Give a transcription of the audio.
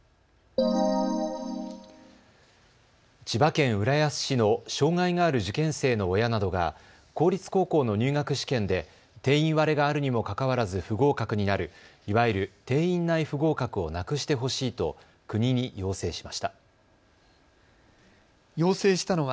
千葉県浦安市の障害がある受験生の親などが公立高校の入学試験で定員割れがあるにもかかわらず不合格になるいわゆる、定員内不合格をなくしてほしいと国に要請しました。